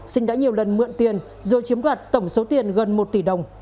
sinh đã nhiều lần mượn tiền rồi chiếm đoạt tổng số tiền gần một tỷ đồng